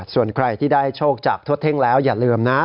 ส่วนใครที่ได้โชคจากทดเท่งแล้วอย่าลืมนะ